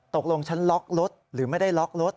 ตกลงฉันล็อกรถหรือไม่ได้ล็อกรถ